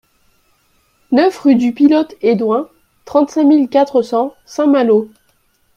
neuf rue du Pilote Hédouin, trente-cinq mille quatre cents Saint-Malo